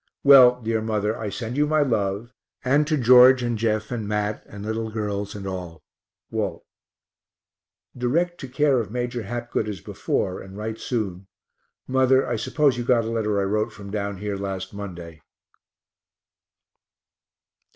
Well, dear mother, I send you my love, and to George and Jeff and Mat and little girls and all. WALT. Direct to care of Major Hapgood as before, and write soon. Mother, I suppose you got a letter I wrote from down here last Monday.